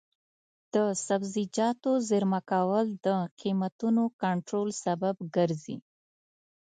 د سبزیجاتو زېرمه کول د قیمتونو کنټرول سبب ګرځي.